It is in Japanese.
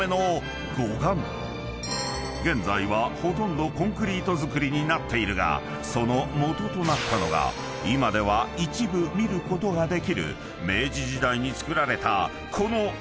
［現在はほとんどコンクリート造りになっているがその基となったのが今では一部見ることができる］